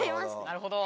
なるほど。